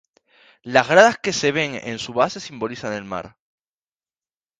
Las gradas que se ven en su base simbolizan al mar.